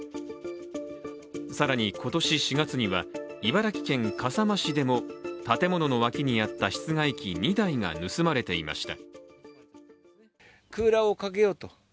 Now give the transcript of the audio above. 更に、今年４月には茨城県笠間市でも建物の脇にあった室外機２台が盗まれていました。